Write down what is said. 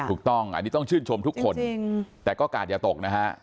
ถูกต้องอันนี้ต้องชื่นชมทุกคนแต่ก็กาดอย่าตกนะฮะ